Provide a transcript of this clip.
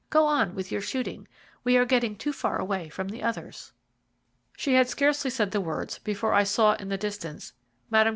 Go on with your shooting. We are getting too far away from the others." She had scarcely said the words before I saw in the distance Mme.